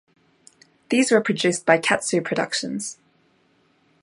These were produced by Katsu Productions.